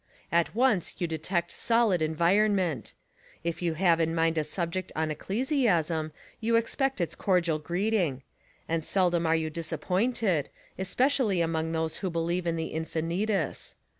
At once you detect solid environment. If you have in mind a subject on ecclesiasm you expect its cordial greeting; and seldom are you disappointed, especially among those who believe in the infinitus.